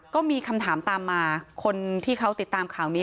ก็มีคำถามตามมาคนที่เขาติดตามข่าวนี้